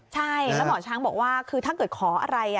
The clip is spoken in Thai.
ใช่แล้วหมอช้างบอกว่าคือถ้าเกิดขออะไร